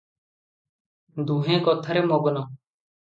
ଦୁହେଁ କଥାରେ ମଗ୍ନ ।